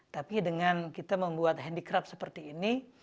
tapi dengan kita membuat handicraft seperti ini